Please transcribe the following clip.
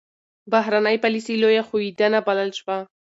بهرنۍ پالیسي لویه ښوېېدنه بلل شوه.